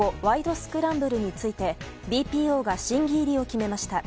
スクランブル」についてＢＰＯが審議入りを決めました。